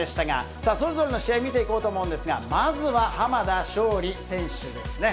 さあ、それぞれの試合見ていこうと思うんですが、まずは浜田尚里選手ですね。